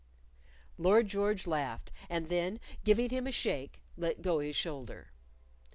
Lord George laughed; and then giving him a shake, let go his shoulder.